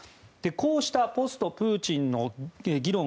こうしたポストプーチンの議論